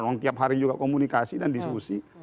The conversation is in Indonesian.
memang tiap hari juga komunikasi dan diskusi